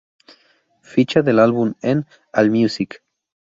Ficha del álbum en Allmusic